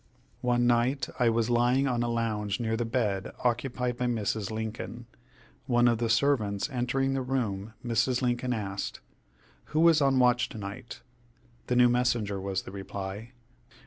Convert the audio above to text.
One night I was lying on a lounge near the bed occupied by Mrs. Lincoln. One of the servants entering the room, Mrs. L. asked: "Who is on watch to night?" "The new messenger," was the reply.